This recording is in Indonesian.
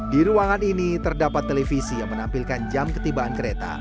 di ruangan ini terdapat televisi yang menampilkan jam ketibaan kereta